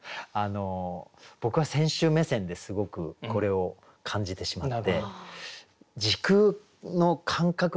僕は選手目線ですごくこれを感じてしまって時空の感覚があるんですよ。